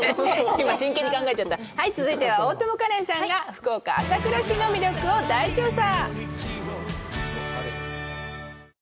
今真剣に考えちゃったはい続いては大友花恋さんが福岡・朝倉市の魅力を大調査